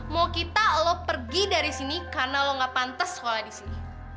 mau kita lo pergi dari sini karena lo gak pantas sekolah di sini